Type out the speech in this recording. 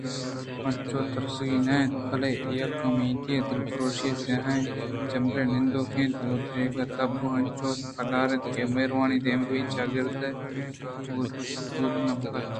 انچو ترسگی نہ اَت بلئے یک نااُمیتی ءُدلپرٛوشی ءِ سیاہیں جمبرے بندوک اِنتءُرو ءُتب ءَ انچوش پدّر بیت کہ مہروانی ءُدیمروئی ءِ چاگردے ءِ بودناکی بوت نہ کنت